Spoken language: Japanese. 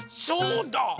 そうだ！